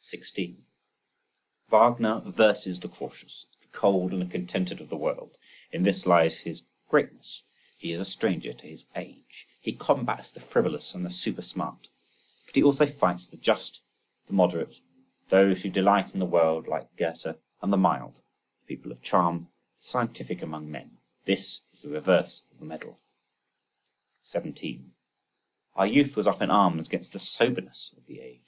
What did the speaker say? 16. Wagner versus the cautious, the cold and the contented of the world—in this lies his greatness—he is a stranger to his age—he combats the frivolous and the super smart—But he also fights the just, the moderate, those who delight in the world (like Goethe), and the mild, the people of charm, the scientific among men—this is the reverse of the medal. 17. Our youth was up in arms against the soberness of the age.